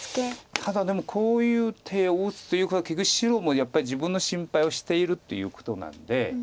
ただでもこういう手を打つということは結局白もやっぱり自分の心配をしているということなんで。